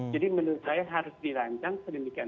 jadi menurut saya harus dirancang sedemikian